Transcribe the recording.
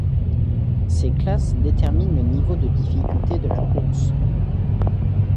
Ces classes déterminent le niveau de difficulté de la course.